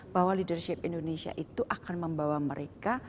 bahwa leadership indonesia itu akan membawa mereka